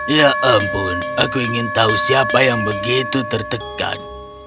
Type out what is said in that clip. ya ampun aku ingin tahu siapa yang begitu tertekan